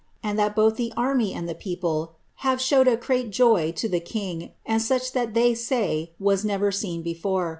and that both the arini and the people have ilmed a crtmt joj to see the king, ami such that theaff tajr was never seen before.